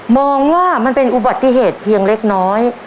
มองว่ามันเป็นอุบัติเหตุเพียงเล็กน้อย